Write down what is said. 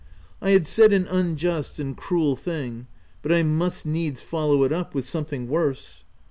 I had said an unjust and cruel thing; but I must needs follow it up with something worse.